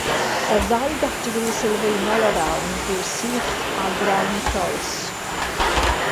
Y ddau gategori sylfaenol o rawn yw syth a grawn croes.